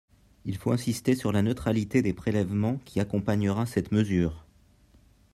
Il faut insister sur la neutralité des prélèvements qui accompagnera cette mesure.